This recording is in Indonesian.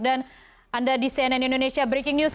dan anda di cnn indonesia breaking news